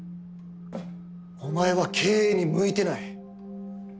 お前は経営に向いてない。